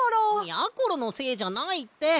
やころのせいじゃないって！